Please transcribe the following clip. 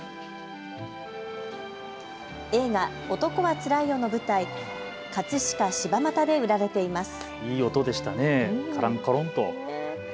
映画、男はつらいよの舞台、葛飾柴又で売られています。